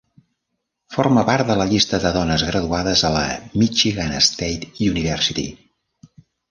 Forma part de la llista de dones graduades a la Michigan State University.